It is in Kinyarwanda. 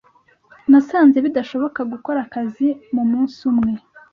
Nasanze bidashoboka gukora akazi mumunsi umwe.